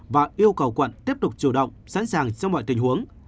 và yêu cầu quận tiếp tục chủ động sẵn sàng trong mọi tình huống